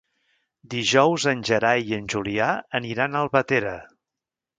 Dijous en Gerai i en Julià aniran a Albatera.